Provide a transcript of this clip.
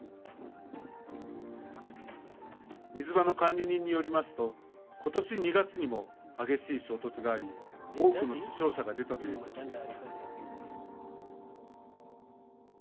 水場の管理人によりますと今年２月にも激しい衝突があり多くの死傷者が出たということです。